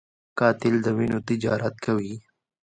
قاتل د وینو تجارت کوي